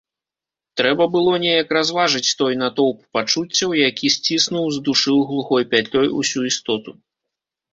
Трэба было неяк разважыць той натоўп пачуццяў, які сціснуў, здушыў глухой пятлёй усю істоту.